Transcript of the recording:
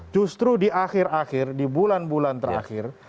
justru di akhir akhir di bulan bulan terakhir